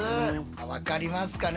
分かりますかね？